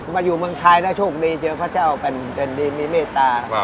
มาอยู่เมืองไทยนะโชคดีเจอพระเจ้าแผ่นดินดีมีเมตตา